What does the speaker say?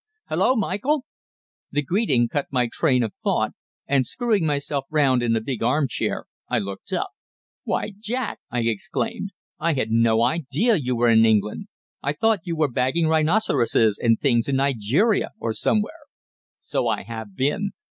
"Hullo, Michael!" The greeting cut my train of thought, and, screwing myself round in the big arm chair, I looked up. "Why, Jack!" I exclaimed, "I had no idea you were in England. I thought you were bagging rhinoceroses and things in Nigeria or somewhere." "So I have been.